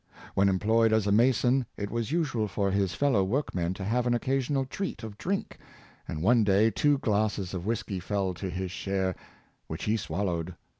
When employed as a mason, it was usual for his fellow workmen to have an occasional treat of drink, and one day two glasses of whisky fell to his share, which he swallowed.